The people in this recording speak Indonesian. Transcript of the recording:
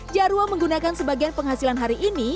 jarwo menggunakan sebagian penghasilan hari ini